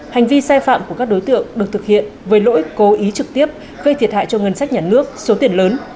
hành vi sai phạm của các đối tượng được thực hiện với lỗi cố ý trực tiếp gây thiệt hại cho ngân sách nhà nước số tiền lớn